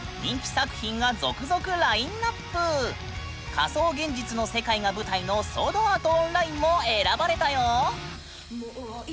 仮想現実の世界が舞台の「ソードアート・オンライン」も選ばれたよ！